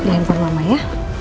ya empor mama ya